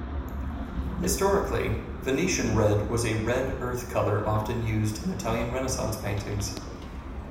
Historically, Venetian red was a red earth color often used in Italian Renaissance paintings.